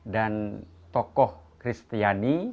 dan tokoh kristiani